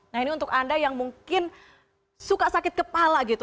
nah ini untuk anda yang mungkin suka sakit kepala gitu